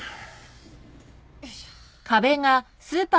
よいしょ。